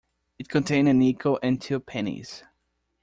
It contained a nickel and two pennies.